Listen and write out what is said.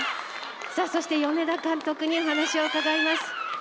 米田監督にお話を伺います。